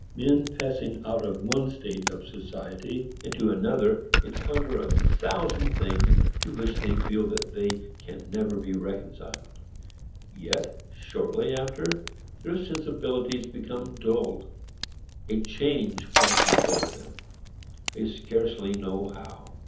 Men passing out of one state of society into another encounter a thousand things to which they feel that they can never be reconciled; yet, shortly after, their sensibilities become dulled,—a change passes over them, they scarcely know how.